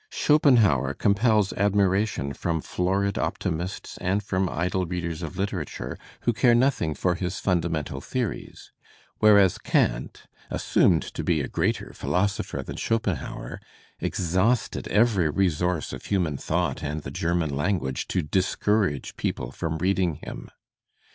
Schopenhauer compels admiration from florid optimists and from idle readers of Uterature who care nothing 806 Digitized by Google WILLIAM JAMES 297 for his fundamental theories; whereas Kant, assumed to be a greater philosopher than Schopenhauer, exhausted every resource of human thought and the Grerman language to discoiu*age people from reading him.